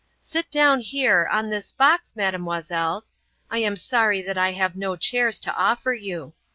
Sit down here, on this box, Mesdemoiselles. I am sorry that I have no chairs to offer you.